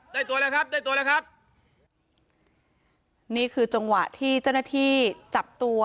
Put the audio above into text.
ตัวแล้วครับได้ตัวแล้วครับนี่คือจังหวะที่เจ้าหน้าที่จับตัว